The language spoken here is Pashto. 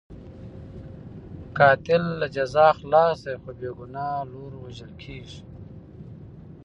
قاتل له جزا خلاص دی، خو بې ګناه لور وژل کېږي.